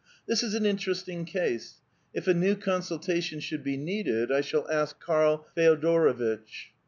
This is an interesting: case. If a new con sultation should be needed, I shall tell Karl Feodorvitch."